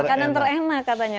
makanan terenak katanya